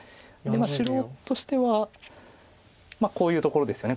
白としてはこういうところですよね。